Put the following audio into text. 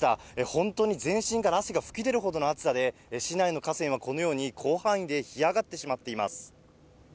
本当に全身から汗が噴き出るほどの暑さで、市内の河川はこのように広範囲で干上がってしまっています。